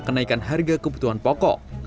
kenaikan harga kebutuhan pokok